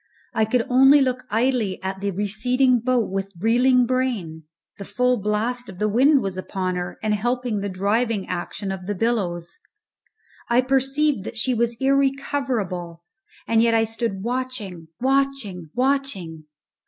I could only look idly at the receding boat with reeling brain. The full blast of the wind was upon her, and helping the driving action of the billows. I perceived that she was irrecoverable, and yet I stood watching, watching, watching!